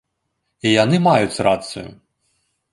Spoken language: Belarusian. І яны маюць рацыю!